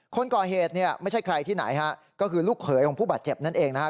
คนก่อเหตุเนี่ยไม่ใช่ใครที่ไหนฮะก็คือลูกเขยของผู้บาดเจ็บนั่นเองนะฮะ